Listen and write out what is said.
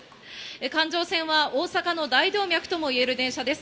環状線は大阪の大動脈ともいえる電車です。